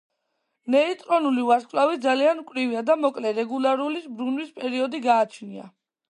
ნეიტრონული ვარსკვლავი ძალიან მკვრივია და მოკლე, რეგულარული ბრუნვის პერიოდი გააჩნია.